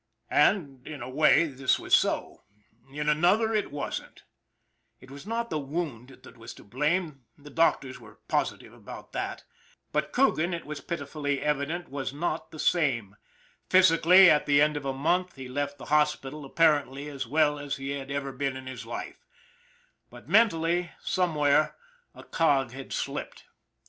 And in a way this was so ; in another it wasn't. It was not the wound that was to blame, the doctors were positive about that; but Coogan, it was pitifully evi dent, was not the same. Physically, at the end of a month, he left the hospital apparently as well as he had ever been in his life; but mentally, somewhere, a cog 172 ON THE IRON AT BIG CLOUD had slipped.